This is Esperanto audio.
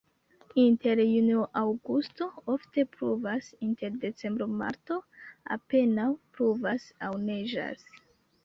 Inter junio-aŭgusto ofte pluvas, inter decembro-marto apenaŭ pluvas aŭ neĝas.